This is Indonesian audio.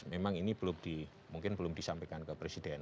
memang ini belum di mungkin belum disampaikan ke presiden